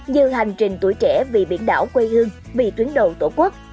như hành trình tuổi trẻ vì biển đảo quy hương vì tuyến đổ tổ quốc